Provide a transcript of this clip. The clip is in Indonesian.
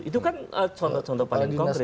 itu kan contoh contoh paling konkret